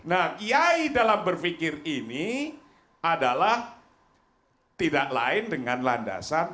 nah kiai dalam berfikir ini adalah tidak lain dengan landasan